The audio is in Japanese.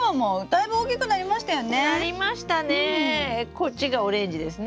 こっちがオレンジですね？